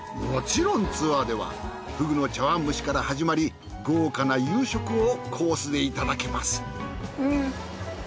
もちろんツアーではふぐの茶碗蒸しから始まり豪華な夕食をコースでいただけます。